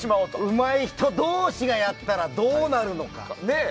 うまい人同士がやったらどうなるのかね。